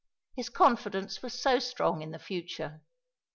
His confidence was so strong in the future.